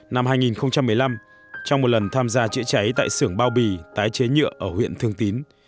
năm hai nghìn một mươi năm trong một lần tham gia chữa cháy tại xưởng bao bì tái chế nhựa ở huyện thường tín